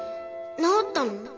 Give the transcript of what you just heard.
治ったの？